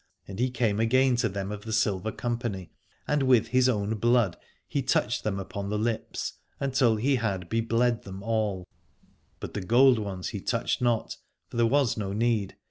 And he came again to them of the silver company and with his own blood he touched them upon the lips, until he had be bled them all : but the gold ones he touched not, for there was no need.